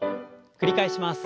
繰り返します。